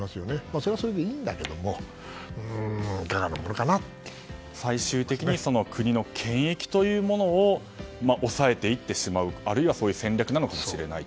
それはそれでいいんだけど最終的に国の権益というものを抑えていってしまう、あるいはそういう戦略なのかもしれないと。